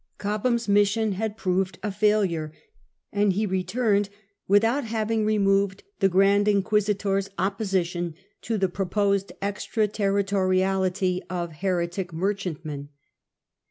Cobham's mission had proved a failure, and he had returned without having removed the Grand Inquisitor's opposition to the proposed exterritoriality of heretic merchantmen.